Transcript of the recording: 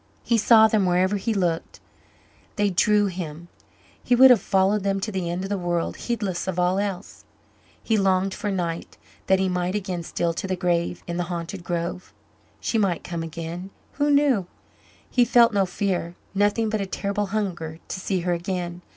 He saw them wherever he looked they drew him he would have followed them to the end of the world, heedless of all else. He longed for night, that he might again steal to the grave in the haunted grove. She might come again who knew? He felt no fear, nothing but a terrible hunger to see her again.